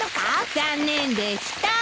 残念でした。